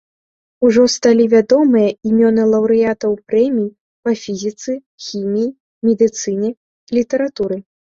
Ужо сталі вядомыя імёны лаўрэатаў прэмій па фізіцы, хіміі, медыцыне, літаратуры.